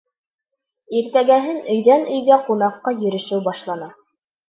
Иртәгәһен өйҙән-өйгә ҡунаҡҡа йөрөшөү башлана.